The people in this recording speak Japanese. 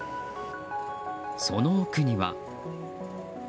その奥には。